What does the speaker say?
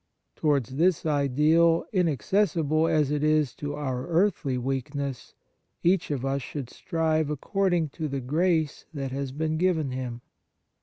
Towards this ideal, inaccessible as it is to our earthly weakness, each of us should strive according to the grace that has been given him.